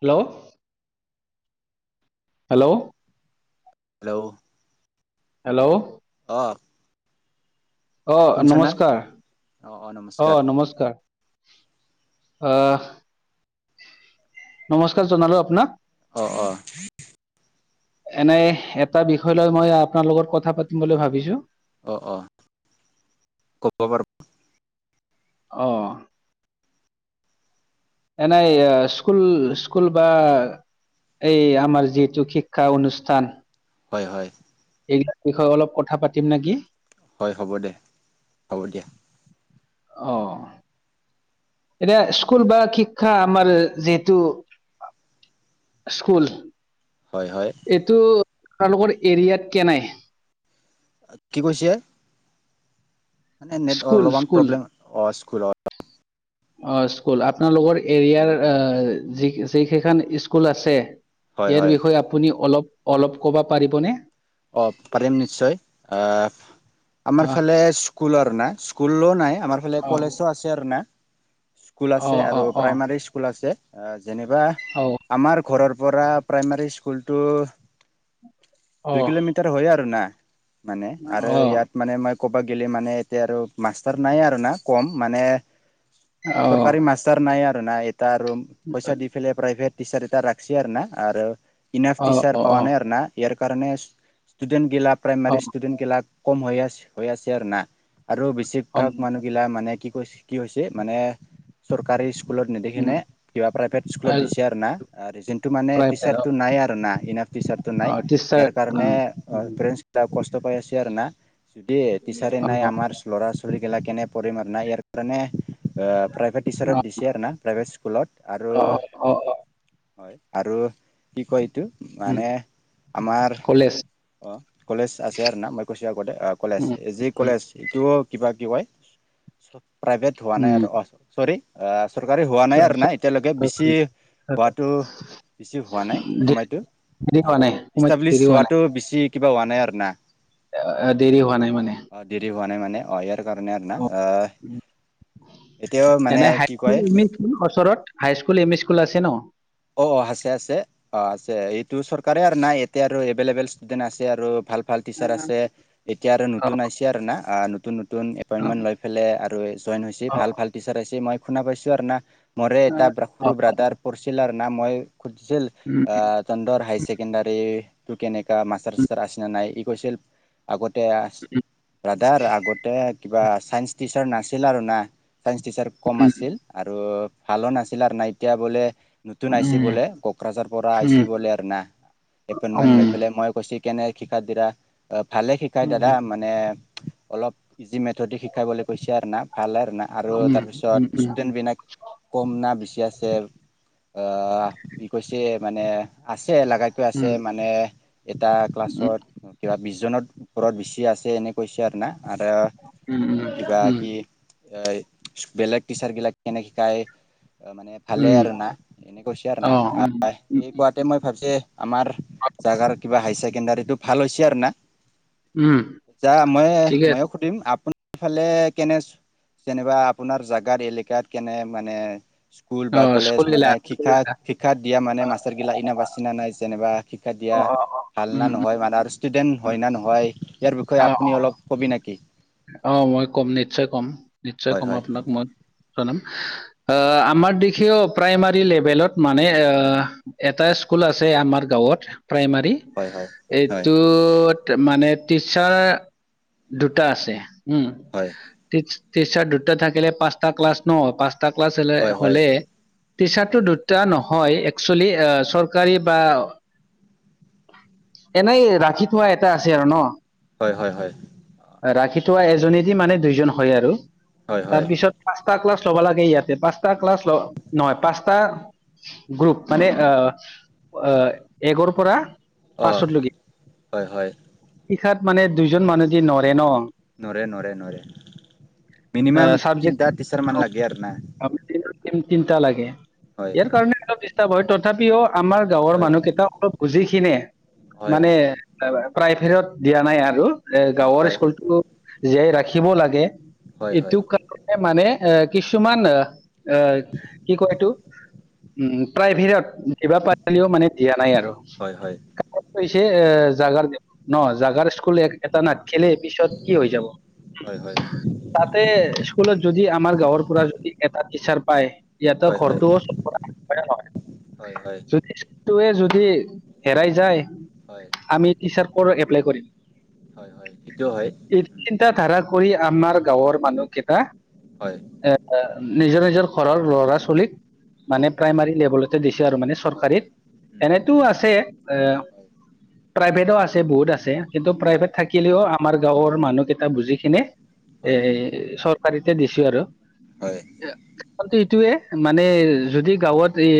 Hello. Hello. Hello. Hello. অ অ', নমস্কাৰ, অঁ অঁ অ', নমস্কাৰ নমস্কাৰ। অহ নমস্কাৰ জনালোঁ আপোনাক। অ', অ'। এনে এটা বিষয় লৈ মই আপোনাৰ লগত কথা পাতিম বুলি ভাবিছো। অ', অ' [unintelligible] অ'। এনেই স্কুল-স্কুল বা এই আমাৰ যিহেতু শিক্ষা অনুষ্ঠান। হয়, হয়। এই বিষয়ে অলপ কথা পাতিম নেকি? হয় হ'ব দে, হ'ব দিয়া। অ'। এতিয়া স্কুল বা শিক্ষা আমাৰ যিহেতু স্কুল হয় হয় এইটো আপোনালোকৰ এৰিয়াত কেনেই? কি কৈছে? মানে নেট স্কুল অলপমান স্কুল প্ৰব্লেম অ স্কুলৰ। অ' স্কুল আপোনালোকৰ এৰিয়াৰ যি-যি কেইখন স্কুল আছে। হয় ইয়াৰ হয় বিষয়ে আপুনি অলপ-অলপ ক'বা পাৰিবনে? অঁ পাৰিম নিশ্চয়। আমাৰ অ ফালে স্কুলৰ না স্কুলো নাই আমাৰ ফালে অ কলেজো আছে আৰু না। স্কুল অ আছে অ আৰু অ প্ৰাইমাৰী স্কুল আছে। যেনেকা অ আমাৰ ঘৰৰ পৰা প্ৰাইমোৰী স্কুলটো অ দুই কিলোমিটাৰ হয় আৰু না মানে আৰু অ ইয়াত মানে আমাৰ ক'বা গ'লে মানে এতিয়া আৰু মাষ্টাৰ নাই আৰু না কম মানে অ অ চৰকাৰী মাষ্টাৰ নাই আৰু নাহ এটা ৰুম পইচা দি পেলাই প্ৰাইভেট টিচাৰ এটা ৰাকছি আৰু না আৰু ইনাফ অ টিচাৰ অ পোৱা নাই আৰু না ইয়াৰ কাৰণে ষ্টুডেণ্ট। এগেলা অ অ প্ৰাইমাৰী সষ্টুডেণ্ট এগেলা কম হৈ আছে হৈ আছে আৰু না। আৰু বেছিভাগ মানুহগিলা মানে কি কৈছে কি হৈছে মানে চৰকাৰী স্কুলত উম নিদিকেনে কিবা প্ৰাইভেট স্কুলত দিছে আৰু না যোনটো মানে প্ৰাইভেট অ টিচাৰটো নাই আৰু না। ইনাফ টিচাৰটো নাই অ টিচাৰ ইয়াৰ অ কাৰণে ফ্ৰেণ্ডচ বিলাক কষ্ট পাই আছে আৰু না। যদি টিচাৰে অ নাই অ আমাৰ লৰা ছোৱালী গিলাক কেনে পঢ়িম আৰু নাই ইয়াৰ কাৰণে প্ৰাইভেট টিচাৰত দিছে আৰু না প্ৰাইভেট স্কুলত আৰু অ অ অ হয় আৰু কি কয় এইটো উম মানে আমাৰ কলেজ অ, কলেজ আছে আৰু না [unintelligible] আগতে অ কলেজ উম যি উম কলেজ ইটো কিবা কি কৈ প্ৰাইভেট হোৱা নাই উম আৰু অ, চৰি চৰকাৰী হোৱা নাই চ- আৰু না চ- এতিয়ালৈকে বেছি হোৱাটো বেছি হোৱা নাই দেৰি কমাইতো দেৰি অ হোৱা নাই সময়ত ইষ্টাব্লিছ দেৰি হোৱা নাই হোৱাতটো বেছি কিবা হোৱা নাই আৰু না। দেৰি হোৱা নাই মানে। অ দেৰি হোৱা নাই মানে ইয়াৰ কাৰনে আৰু না। অ উম। এতিয়াও মানে এনে হাই কি স্কুল কয় এম ই স্কুল ওচৰত high school M E school আছে ন অ অ আছে আছে অ আছে এইটো চৰকাৰে আৰু নাই এতিয়া আৰু এভেইলেবল ষ্টুডেণ্ট আছে আৰু ভাল। ভাল টিচাৰ আছে এতিয়া আৰু অ নতুন আহিছে আৰু না নতুন নতুন অ এপইন্মেন লৈ পেলে আৰু জইন হৈছে অ ভাল ভাল টিচাৰ আহিছি মই শুনা পাইছোঁ আৰু না। মৰে এটা অ সৰু অ ব্ৰাদাৰ পঢ়ছিলে না মই খুজিছিল উম আহ তহতৰ হায়াৰ ছেকেণ্ডাৰীটো কেনেকা মাষ্টাৰ উম সাষ্টাৰ আছে না নাই। কৈছিল আগতে ব্ৰাদৰ আগতে কিবা ছাইন্স টিচাৰ নাছিল আৰু না চাইন্স টিচাৰ কম উম আছিল আৰু ভালো নাছিল আৰু নাই এতিয়া বোলে। নতুন আইচি উম বোলে কোকৰাঝাৰ পৰা উম আইচি বোলে আৰু না উম এপইণ্টমেণ্ট লৈ পেলাই মই কৈছো কেনে শিকাত দিয়াত ভালে উম শিকায় উম দাদা মানে অলপ। ইজি মেথড শিকাবলৈ কৈছে আৰু না ভাল আৰু না আৰু উম উম তাৰপিছত উম ষ্টুডেন্ট বিলাক। কম না বেছি আছে ই কৈছে মানে আছে। লগাই কৈ আছে মানে এটা ক্লাছত কিবা বিছ জনৰ ওপৰত বেছি আছে এনে কৈছে আৰু না আৰু উম কিবা উম কি বেলেগ টিচাৰগিলাক কেনেকে শিকাই মানে ভালে উম আৰু না এনে কৈছে আৰু অ না উম এই উম কোৱাতে মই ভাবিছে আমাৰ জাগাৰ কিবা হাই চাই। কেণ্ডৰিটো ভাল হৈছে আৰু না। উম ঠিকে আছে এইফালে কেনে যেনিবা আপোনাৰ জেগাৰ এলেকাত কেনে মানে স্কুল অ বা কলেজ মানে স্কুলগিলা শিক্ষা স্কুলগিলা শিক্ষাত দিয়া মানে অ মাষ্টাৰ কিলা ইনাফ আছে নাই যেনিবা। শিক্ষা অ দিয়া অ অ ভাল না উম উম নহয় মানে আৰু ষ্টুডেন্ট হয় না নহয়। ইয়াৰ বিষয়ে অ আপুনি অলপ ক'বি নেকি? অ মই ক'ম, নিশ্চয় ক'ম নিশ্চয় হয় কম হয় আপোনাক মই। আমাৰ দেখেও প্ৰাইমাৰী লেভেলত মানে এটা স্কুল আছে আমাৰ গাঁৱত। প্ৰাইমাৰী হয় হয় হয় এইটো মানে টিচাৰ আছে। হয় টিচাৰ দুটা থাকিলে পাঁচটা ক্লাছ নহয় পাচ টা ক্লাছ হয় হয় হ'লে, টিচাৰটো হয় দুটা নহয় হয়, এক্সুয়েলি চৰকাৰী বা এনেই ৰাখি থোৱা এটা আছে আৰু ন। হয়-হয়-হয়। ৰাখি থোৱা এজনীদি মানে দুইজন হয় আৰু, হয় হয় হয় তাৰপিছত পাঁচটা ক্লাছ লবা লাগে ইয়াতে পাঁচ পাঁচটা ক্লাছ ল নহয়, পাঁচটা গ্ৰুপ মানে, এ একৰ পৰা অ হয় হয়। শিখাত মানে দুজন মানুহদি নৰে ন। নৰে-নৰে-নৰে মিনিমাম চাবজেক্ট তিনিটা টিচাৰমান লাগে আৰু না। তিনিটা লাগে। হয় ইয়াৰ কাৰণে অলপ ডিষ্টাৰ্ব হয়, তথাপিও আমাৰ গাঁৱৰ হয় মানুহকেইটা অলপ বুজি কিনে হয় মানে প্ৰাইভেটত দিয়া নাই আৰু, হয় গাঁওৰ হয় জীয়াই ৰাখিব লাগে, হয় এইটো হয় কাৰণে মানে এ কিছুমান অহ কি কয় এইটো উম প্ৰাইভেটত দিবা পাৰিলেও মানে দিয়া নাই আৰু। হয় হয় এ জাগাৰ ন জাগাৰ স্কুল এটা নাতখিলে পিছত কি হৈ যাব। হয় হয় তাতে স্কুলত যদি আমাৰ গাঁওৰ পৰা যদি এটা টচাৰ পায়। ইয়াতে ঘৰটো [unintelligible] হয় নে হয় হয় নহয়। হেৰাই যায় হয় আমি টিচাৰ কৰ এপ্লাই কৰিম। হয় হয় সেইটোও হয় এই উম, চিন্তা ধাৰা কৰি আমাৰ গাঁওৰ মানুহ কেইটা হয় নিজৰ নিজৰ ঘৰৰ লৰা-ছোৱালীক মানে হয় প্ৰাইমাৰী লেভেলতে দিছে আৰু মানে হয় চৰকাৰীত। হয় উম উম এনেতো আছে হয় প্ৰাইভেটো আছে বহুত আছে। কিন্তু হয় প্ৰাইভেট থাকিলেও আমাৰ গাঁৱৰ মানুহকেইটা বুজিকিনে এ হয় চৰকাৰীতে দিছো আৰু। হয় হয় এইটোৱে মানে যদি গাঁৱত এ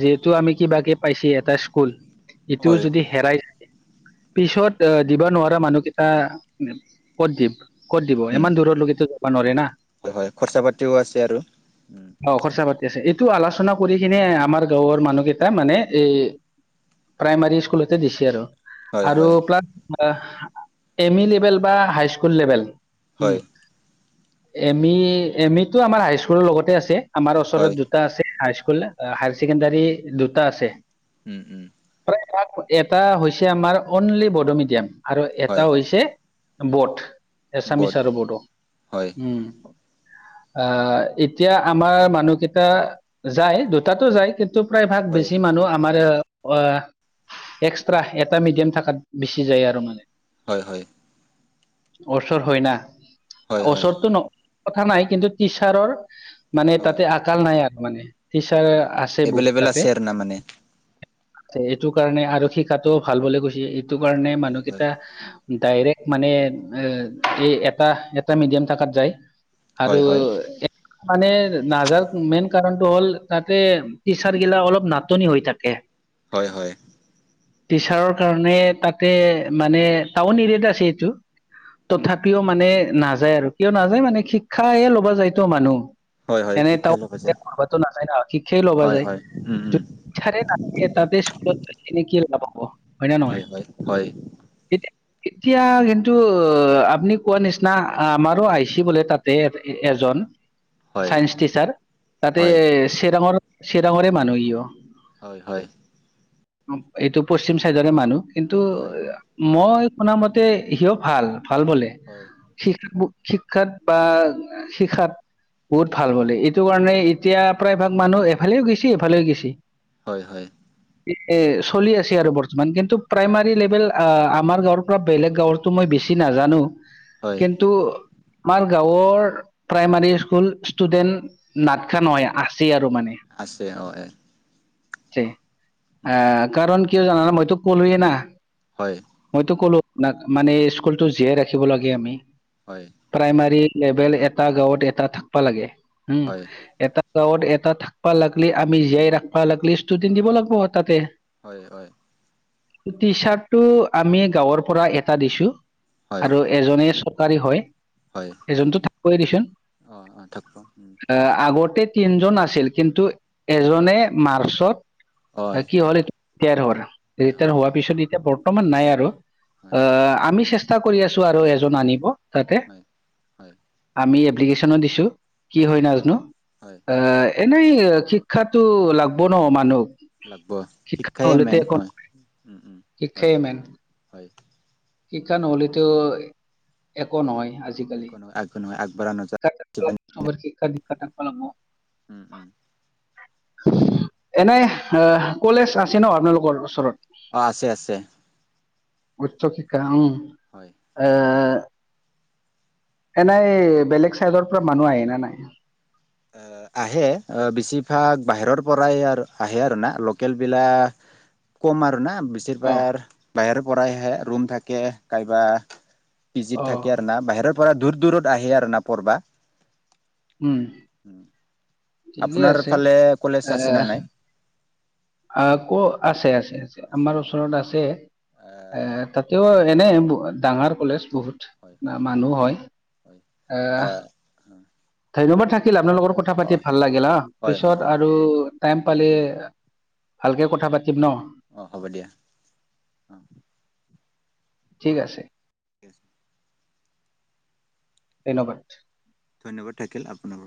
যিহেতু আমি কিবাকে পাইছ এটা স্কুল। ইটোও যদি হেৰাই পিছত এ দিব নোৱাৰা মানুহকেইটা ক'ত দিম। ক'ত দিব। উম ইমান দূৰলৈকেত যাব নোৱাৰে না। হয় হয় খৰচা পাতিও আছে আৰু। ঠিক আছে। এইটো আলোচনা কৰি কিনে আমাৰ গাঁৱৰ মানুহকেইটা মানে এ প্ৰাইমাৰী স্কুলতে দিছে আৰু। হয় আৰু হয় প্লাছ এম ই লেভেল বা হাই স্কুল লেভেল উম হয় এম ই এম ইটো আমাৰ হাইস্কুলৰ লগতে আছে। আমাৰ হয় ওচৰত দুটা আছে, হাইস্কুল হায়াৰ ছেকেণ্ডাৰী দুটা আছে। উম উম। এটা হৈছে আমাৰ অনলি বড মিডিয়াম আৰু এটা হয় হৈছে বড এছামিছ ব'ত আৰু বড'। হয় এতিয়া আমাৰ মানুহ কেইটা যায়, দুটাতো যায় কি প্ৰায়ভাগ হয় বেছি মানুহ আমাৰ এক্সট্ৰা এটা মিডিয়াম থাকাত বেছি যায় আৰু মানে। হয় হয়। ওচৰ হয় না, হয় হয় ওচৰতটো ন কথা নাই। কিন্তু টিচাৰৰ মানে তাতে হয় আকাল নাই আৰু মানে। অঁ তিচাৰ অঁ আছে বহুত এভেইলেবল তাতে। আছে আৰু না মানে এইটো কাৰণে আৰু শী খাতটো ভাল বলে গৈছে এইটো কাৰণে হয় হয় মানুহকেইটা ডাইৰেক্ট মানে এই এটা এটা মিডিয়াম থাকাত যায়। হয় হয় [unintelligible] কাৰণটো হ'ল তাতে টিচাৰ গিলা অলপ নাটনি হৈ থাকে। হয়, হয়। টিচাৰৰ কাৰণে তাতে মানে টাউন এৰিয়াত আছে এইটো। তথাপিও মানে নাযায় আৰু কিয় নাযায় মানে শিক্ষাই ল'বা যায়তো মানুহ। হয় হয় এনেই শিক্ষাই লগ হৈছে [unintelligible] নাযায় ন শিক্ষাই লবা হয় যায়। হয় উম উম [unintelligible] হয়, হয়, হয়। এতিয়া এতিয়া কিন্তু আপুনি কোৱা নিচিনা আমাৰো আই চ বোলে তাতে এ, হয় হয় চাইন্স টিচাৰ, তাতে হয় চৰাঙৰ চিৰাঙৰে মানুহ হিও। হয়, হয়। এইটো পশ্চিম চাইডৰে মানুহ। কিন্তু হয় মই শুনা মতে সি ভাল ভাল বোলে। হয়। [unintelligible] শিক্ষাত বা শিকখাত বহুত ভাল বলে এইটো কাৰণে এতিয়া প্ৰায় ভাগ মানুহ এফালেও গৈছে এফালেও গৈছে হয়, হয়। [unintelligible] চলি আছে আৰু বৰ্তমান কিন্তু প্ৰাইমাৰী লেভেল আমাৰ গাঁৱৰ পৰা বেলেগ গাঁৱতো মই বেছি নাজানো। হয় কিন্তু আমাৰ গাঁৱৰ প্ৰাইমাৰী স্কুল সষ্টুডেণ্ট নাাটকা নহাই আছে আছে হয়। চে, আহ, কাৰণ কিয় জানা ন মইতো কলোৱে না হয় মইতো কলো আপোনাক মানে স্কুলতটো জীয়াই ৰাখিব লাগে আমি। হয় প্ৰাইমাৰী লেভেল এটা গাঁৱত এটা থাকবা লাগে হম, হয় এটা গাঁৱত এটা থাকিবা লাগিলি আমি জীয়াই ৰাখিবা লাগিলি ষ্টুডেণ্ট দিব লাগিব তাতে। হয়, হয়। টি চাৰ্ট টো আমি গাঁৱৰ পৰা এটা দিছো হয় আৰু এজনে হয়, হয় এজনটো থাক দিচোন অ অ থাকিব উম আগত গোতেই তিনজন আছিল কিন্তু এজনে মাৰ্চত হয় কি হল এইটো হোৱাৰ হয় ৰিটায়াৰ হয় হোৱাৰ পিছত এতিয়া বৰ্তমান নাই আৰু, হয় আহ, আমি চেষ্টা কৰি আছো আৰু এজন হয় আনিব তাতে, হয় হয় আমি এপ্লিকেশ্যনো দিছো। কি হয়, নাজানো হয় আহ, এনেই শিক্ষাো লাগব ন মানুহ। লাগব। শিক্ষাইে মেন হয়। উম উম হয় শিক্ষায়ে মেইন। হয় শিক্ষা নহ'লেতো একো নহয়। আজিকালি একো নহয় একো নহয় আগবঢ়া নাযায় [unintelligible] উম, উম। এনেই আহ, কলেজ আছে ন আপোনালোকৰ ওচৰত? অ, আছে, আছে। [unintelligible] হয় এনাই বেলেগ চাইডৰ পৰা মানুহ আহে ন নাই? আহে বেছিভাগ বাহিৰৰ পৰাই আৰু আহে আৰু না লোকেল বিলাক কম আৰু না অ বছিভাৰ বাহৰে পৰাই আহে ৰৰুম থাকে কাইবা অ পিজিত থাকে আৰু না বাহিৰৰ পৰা দূৰ দূৰত আহে আৰু না পঢবা। উম, ঠিকে আপোনাৰ আছে ফালে কলেজ আছে নে নাই? আ ক আছে আছে আছে আমাৰ ওচৰত আছে এ তাতেও ত' এনেই ডাঙৰ কলেজ। বহুত হয় হয় মানুহ হয় হয় অহ অ ধন্যবাদ থাকিল আপোনাৰ লগত কথা পাতি অ ভাল লাগিল হা, হয় পিছত হয় আৰু টাইম পালে, ভালকে কথা পা অহ, হ'ব দিয়া। অহ। ঠিক আছে। ধন্যবাদ। ধন্যবাদ থাকিল আপোনাৰো।